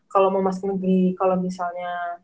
kalo mau masuk negeri kalo misalnya